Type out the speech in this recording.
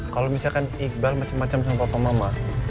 kalau misalkan iqbal macem macem sama papa mama